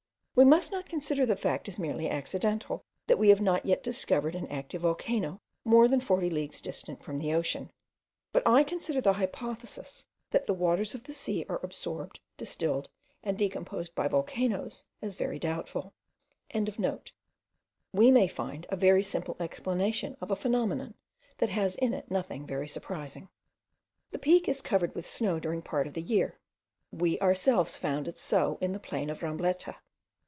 We must not consider the fact as merely accidental, that we have not yet discovered an active volcano more than 40 leagues distant from the ocean; but I consider the hypothesis, that the waters of the sea are absorbed, distilled, and decomposed by volcanoes, as very doubtful.) We may find a very simple explanation of a phenomenon, that has in it nothing very surprising. The peak is covered with snow during part of the year; we ourselves found it still so in the plain of Rambleta.